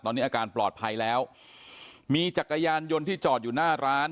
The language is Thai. ตอนนี้อาการปลอดภัยแล้วมีจักรยานยนต์ที่จอดอยู่หน้าร้าน